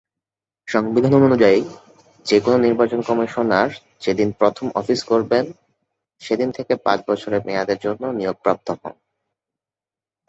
সংবিধান অনুযায়ী যেকোন নির্বাচন কমিশনার যেদিন প্রথম অফিস করবেন সেদিন থেকে পাঁচ বছর মেয়াদের জন্য নিয়োগপ্রাপ্ত হন।